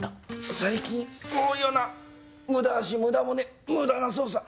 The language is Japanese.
最近多いよな無駄足無駄骨無駄な捜査。